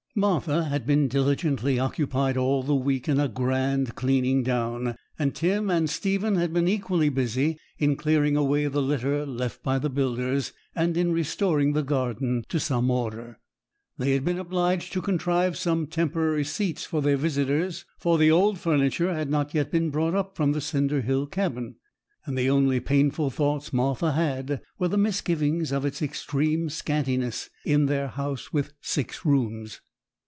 Martha had been diligently occupied all the week in a grand cleaning down; and Tim and Stephen had been equally busy in clearing away the litter left by the builders, and in restoring the garden to some order. They had been obliged to contrive some temporary seats for their visitors, for the old furniture had not yet been brought up from the cinder hill cabin; and the only painful thoughts Martha had were the misgiving of its extreme scantiness in their house with six rooms.